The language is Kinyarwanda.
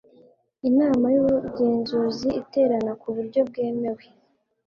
inama y'ubugenzuzi iterana ku buryo bwemewe